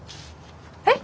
えっ？